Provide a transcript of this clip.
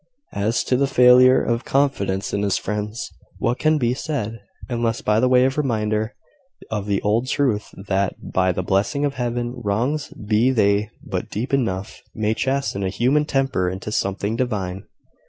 As to the failure of confidence in his friends, what can be said? unless by way of reminder of the old truth that, by the blessing of Heaven, wrongs be they but deep enough may chasten a human temper into something divine.